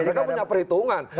ini kan punya perhitungan